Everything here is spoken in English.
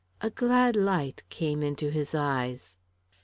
A glad light came into his eyes.